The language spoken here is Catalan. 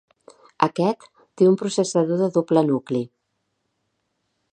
Aquest té un processador de doble nucli.